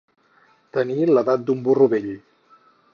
Tenir l'edat d'un burro vell.